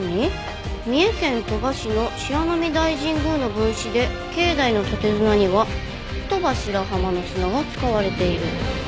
「三重県鳥羽市の白波大神宮の分祀で境内の立て砂には鳥羽白浜の砂が使われている」。